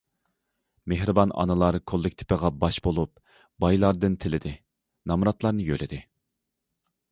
‹‹ مېھرىبان ئانىلار›› كوللېكتىپىغا باش بولۇپ، بايلاردىن‹‹ تىلىدى››، نامراتلارنى يۆلىدى.